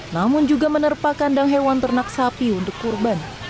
namun juga menerpakan dang hewan ternak sapi untuk korban